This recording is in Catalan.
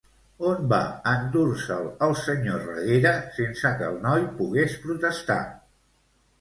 On va endur-se'l, el senyor Reguera, sense que el noi pogués protestar?